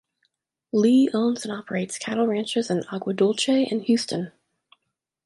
Lee owns and operates cattle ranches in Aguadulce and Houston.